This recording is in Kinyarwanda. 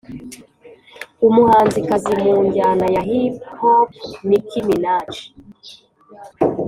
umuhanzikazi mu njyana ya “hip hop” nicki minaj